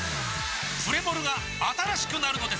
プレモルが新しくなるのです！